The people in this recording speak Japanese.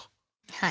はい。